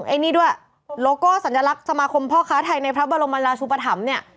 ไอ้นี่ด้วยโลโก้สัญลักษณ์สมาคมพ่อค้าไทยในพระบรมราชุปธรรมเนี่ย